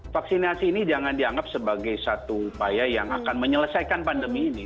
vaksinasi ini jangan dianggap sebagai satu upaya yang akan menyelesaikan pandemi ini